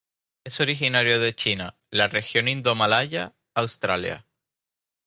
Es originario de China, la región Indomalaya, Australia.